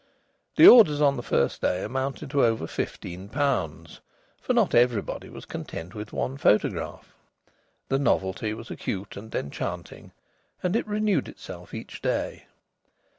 The orders on the first day amounted to over fifteen pounds, for not everybody was content with one photograph. The novelty was acute and enchanting, and it renewed itself each day.